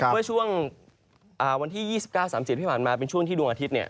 เมื่อช่วงวันที่๒๙๓๐ที่ผ่านมาเป็นช่วงที่ดวงอาทิตย์เนี่ย